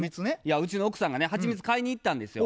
うちの奥さんがねはちみつ買いに行ったんですよ。